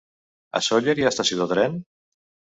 A Sóller hi ha estació de tren?